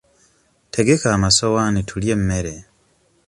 Tegeka amasowaani tulye emmere.